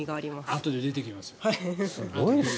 あとで出てきますよ。